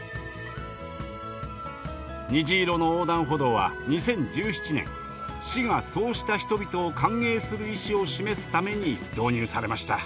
虹色の横断歩道は２０１７年市がそうした人々を歓迎する意志を示すために導入されました。